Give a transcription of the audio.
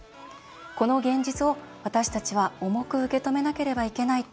この現実を私たちは重く受け止めなければなりません。